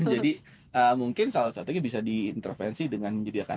jadi mungkin salah satunya bisa diintervensi dengan menyediakan